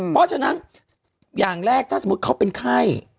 เพราะฉะนั้นอย่างแรกถ้าสมมุติเขาเป็นไข้